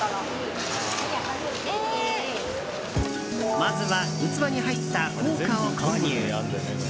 まずは、器に入った硬貨を購入。